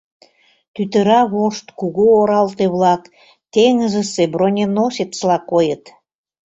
Тӱтыра вошт кугу оралте-влак теҥызысе броненосецла койыт.